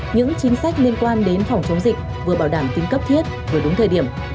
những chính sách liên quan đến phòng chống dịch vừa bảo đảm tính cấp thiết vừa đúng thời điểm